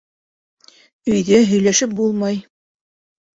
Өйҙә һөйләшеп булмай...